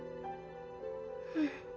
うん。